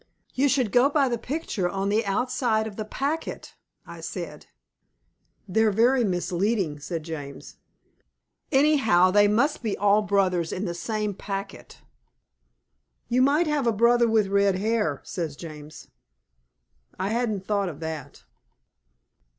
"You should go by the picture on the outside of the packet," I said. "They're very misleading," said James. "Anyhow, they must be all brothers in the same packet." "You might have a brother with red hair," says James. I hadn't thought of that.